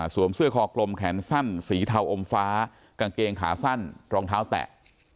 เสื้อคอกลมแขนสั้นสีเทาอมฟ้ากางเกงขาสั้นรองเท้าแตะ